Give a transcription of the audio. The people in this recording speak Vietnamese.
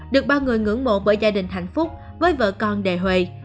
được bao người ngưỡng mộ bởi gia đình hạnh phúc với vợ con đề huệ